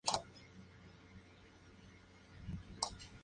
La portada del álbum es un homenaje al papel de fumar Zig-Zag.